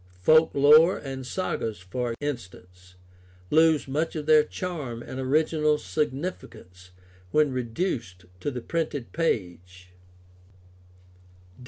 Folk lore and sagas, for instance, lose much of their charm and original significance when reduced to the printed page.